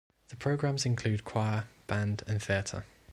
The programs include: Choir, Band, and Theatre.